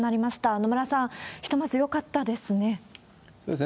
野村さん、ひとまずよかったですね。